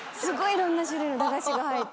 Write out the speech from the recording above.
いろんな種類の駄菓子が入った。